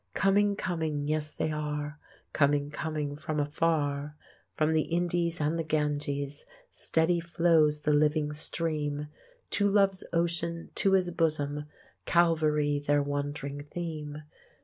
Coming, coming, yes, they are, Coming, coming, from afar; From the Indies and the Ganges Steady flows the living stream To love's ocean, to His bosom, Calvary their wond'ring theme.